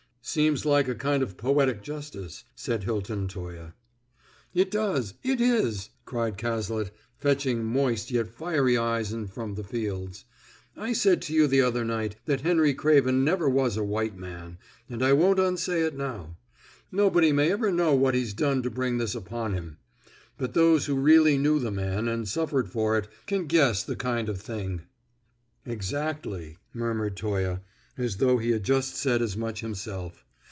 "Seems like a kind of poetic justice," said Hilton Toye. "It does. It is!" cried Cazalet, fetching moist yet fiery eyes in from the fields. "I said to you the other night that Henry Craven never was a white man, and I won't unsay it now. Nobody may ever know what he's done to bring this upon him. But those who really knew the man, and suffered for it, can guess the kind of thing!" "Exactly," murmured Toye, as though he had just said as much himself.